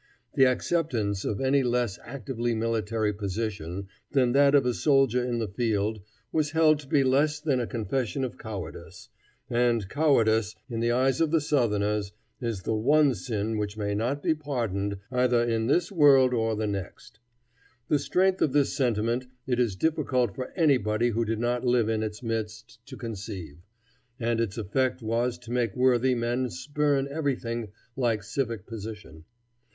The acceptance of any less actively military position than that of a soldier in the field was held to be little less than a confession of cowardice; and cowardice, in the eyes of the Southerners, is the one sin which may not be pardoned either in this world or the next. The strength of this sentiment it is difficult for anybody who did not live in its midst to conceive, and its effect was to make worthy men spurn everything like civic position.